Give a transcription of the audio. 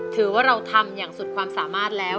ถือว่าเราทำอย่างสุดความสามารถแล้ว